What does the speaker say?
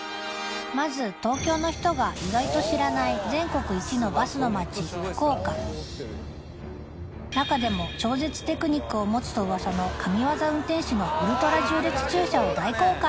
まず東京の人が意外と知らない全国一のバスの街福岡中でも超絶テクニックを持つと噂の神業運転士のウルトラ縦列駐車を大公開！